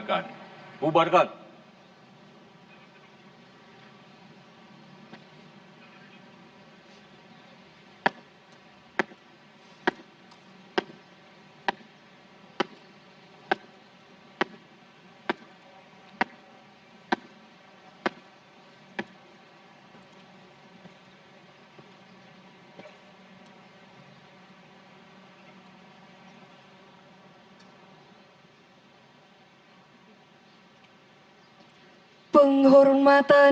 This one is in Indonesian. kembali ke tempat